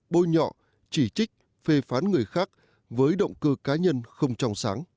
bôi nhọ chỉ trích phê phán người khác với động cơ cá nhân không trong sáng